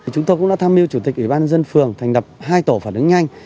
chúng tôi cũng đã tham mưu chủ tịch ủy ban dân phường thành đập hai tổ phản ứng nhanh